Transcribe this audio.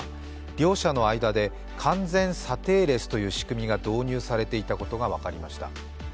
両者の間で完全査定レスという仕組みが導入されていたことが分かりました。